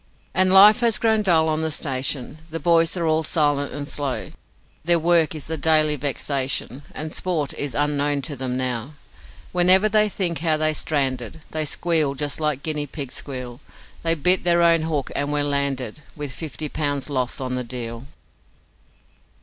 And life has grown dull on the station, The boys are all silent and slow; Their work is a daily vexation, And sport is unknown to them now. Whenever they think how they stranded, They squeal just like guinea pigs squeal; They bit their own hook, and were landed With fifty pounds loss on the deal.